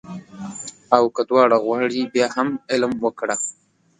او که دواړه غواړې بیا هم علم وکړه